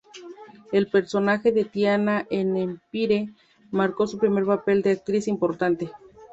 El personaje de Tiana en "Empire" marcó su primer papel de actriz importante.